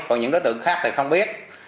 còn những đối tượng khác thì không biết